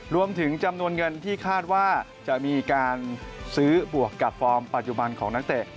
รวมถึงจำนวนเงินที่คาดว่าจะมีการซื้อบวกกับฟอร์มปัจจุบันของนักเตะ